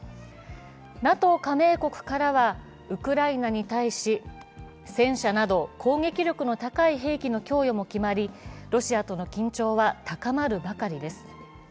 ＮＡＴＯ加盟国からはウクライナに対し戦車など攻撃力の高い兵器の供与も決まりロシアとの緊張は高まるばかりです。